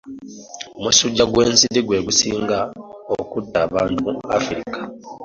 Omusujja gw'ensiri gwe gusinga okutta abantu mu Africa.